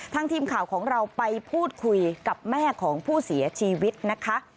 ทีมข่าวของเราไปพูดคุยกับแม่ของผู้เสียชีวิตนะคะ